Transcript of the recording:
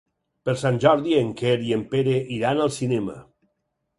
Per Sant Jordi en Quer i en Pere iran al cinema.